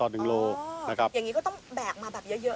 อย่างนี้ก็ต้องแบกมาเยอะเลยใช่ไหม